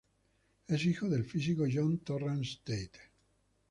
Es hijo del físico John Torrance Tate.